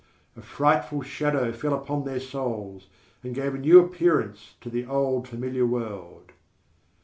A frightful shadow fell upon their souls, and gave a new appearance to the old familiar world.